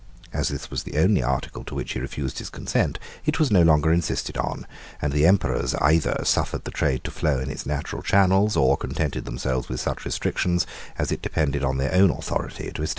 As this was the only article to which he refused his consent, it was no longer insisted on; and the emperors either suffered the trade to flow in its natural channels, or contented themselves with such restrictions, as it depended on their own authority to establish.